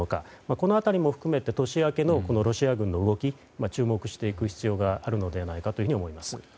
この辺りも含めて年明けのロシア軍の動き注目していく必要があると思います。